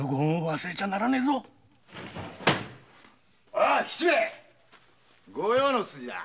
おい吉兵衛ご用の筋だ。